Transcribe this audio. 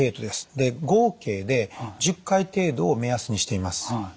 で合計で１０回程度を目安にしています。